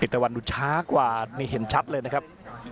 ตะวันดูช้ากว่านี่เห็นชัดเลยนะครับ